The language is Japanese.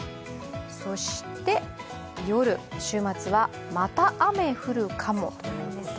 そして、夜、週末はまた雨降るかもということで。